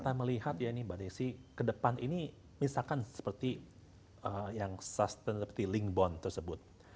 kalau kita melihat ya ini pada isi kedepan ini misalkan seperti yang sustainability link bond tersebut